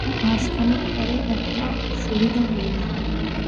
মাসখানেক পরে একটা সুবিধা হইল।